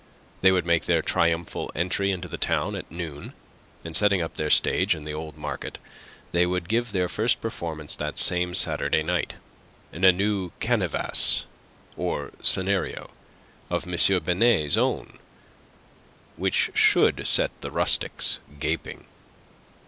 They would make their triumphal entry into the town at noon, and setting up their stage in the old market, they would give their first performance that same Saturday night, in a new canevas or scenario of M. Binet's own, which should set the rustics gaping.